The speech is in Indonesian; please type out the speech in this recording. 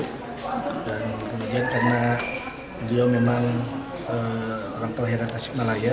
dan kemudian karena dia memang orang telah heran tasik malaya